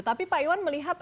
tapi pak iwan melihat